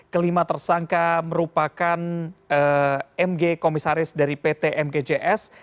kelima tersangka merupakan mg komisaris dari pt mgjs